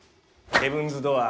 ヘブンズ・ドアー。